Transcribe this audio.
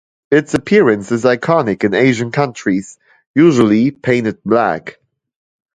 Its appearance is iconic in Asian countries, usually painted black.